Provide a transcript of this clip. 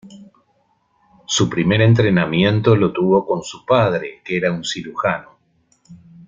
Su primer entrenamiento lo tuvo con su padre, que era un cirujano.